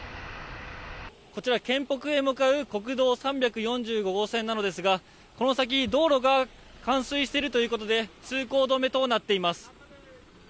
こちら県北へ向かう国道３４５号線ですがこの先、道路が冠水しているということで通行止めとなっています。